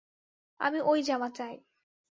আমি ওই জামা চাই!